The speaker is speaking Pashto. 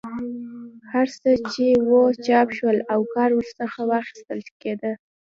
هر څه چې وو چاپ شول او کار ورڅخه اخیستل کېدی.